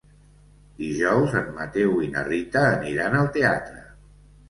Dijous en Mateu i na Rita aniran al teatre.